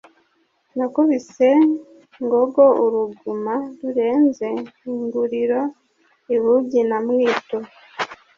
Nakubise Ngogo uruguma rurenze inguriro i Bugi na Mwito.